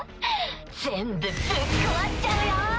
全部ぶっ壊しちゃうよ。